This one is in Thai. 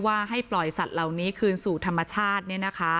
ให้ปล่อยสัตว์เหล่านี้คืนสู่ธรรมชาติ